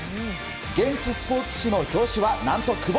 現地スポーツ紙の表紙は何と久保。